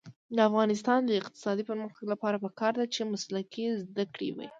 د افغانستان د اقتصادي پرمختګ لپاره پکار ده چې مسلکي زده کړې وي.